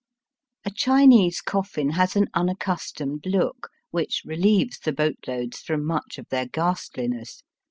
A Chinese coflSn has an unaccustomed look, which relieves the boatloads from much of their ghastliness.